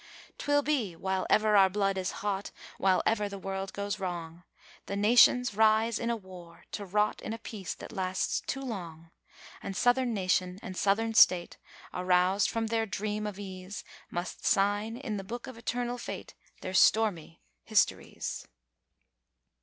'Twill be while ever our blood is hot, while ever the world goes wrong, The nations rise in a war, to rot in a peace that lasts too long. And southern nation and southern state, aroused from their dream of ease, Must sign in the Book of Eternal Fate their stormy histories.